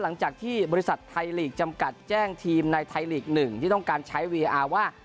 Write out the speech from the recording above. หลังจากที่บริษัทไทยลีกจำกัดแจ้งทีมในไทยลีก๑ที่ต้องการใช้วีอาร์ว่า